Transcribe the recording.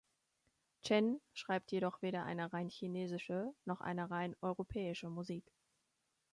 Chen schreibt jedoch weder eine rein chinesische noch eine rein europäische Musik.